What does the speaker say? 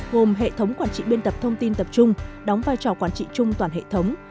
gồm hệ thống quản trị biên tập thông tin tập trung đóng vai trò quản trị chung toàn hệ thống